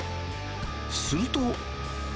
すると。